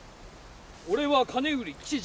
俺は金売り吉次。